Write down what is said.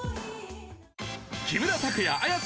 木村拓哉綾瀬